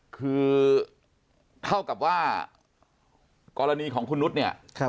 คือเท่ากับว่ากรณีของคุณนุษย์เนี่ย